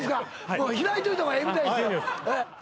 もう開いといた方がええみたいですよ